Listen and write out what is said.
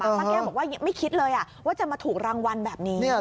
ป้าแก้วบอกว่าไม่คิดเลยว่าจะมาถูกรางวัลแบบนี้